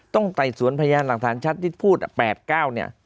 ไต่สวนพยานหลักฐานชัดที่พูด๘๙เนี่ย